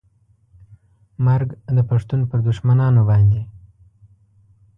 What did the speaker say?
مرګ د پښتون پر دښمنانو باندې